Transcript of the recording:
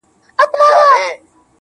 • د جهنم منځ کي د اوسپني زنځیر ویده دی.